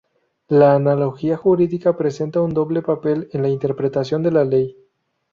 La analogía jurídica presenta un doble papel en la interpretación de la ley.